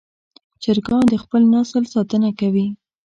چرګان د خپل نسل ساتنه کوي.